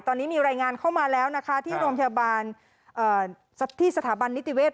ตอนนี้มีรายงานเข้ามาแล้วนะคะที่โรงพยาบาลที่สถาบันนิติเวศ